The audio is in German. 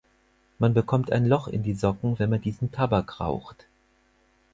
Man bekommt ein Loch in die Socken, wenn man diesen Tabak raucht.